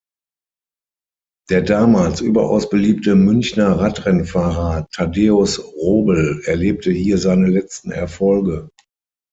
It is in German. Der damals überaus beliebte Münchner Radrennfahrer Thaddäus Robl erlebte hier seine letzten Erfolge.